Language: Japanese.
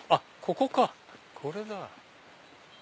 これだ。